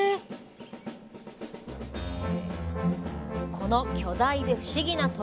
この巨大で不思議な鳥！